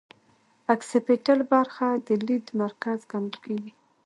اکسیپیټل برخه د لید مرکز ګڼل کیږي